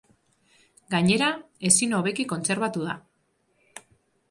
Gainera, ezin hobeki kontserbatu da.